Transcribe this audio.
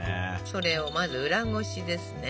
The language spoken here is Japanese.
それをまず裏ごしですね。